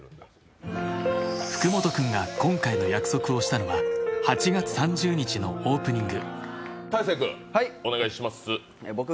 福本君が今回の約束をしたのは８月３０日のオープニング。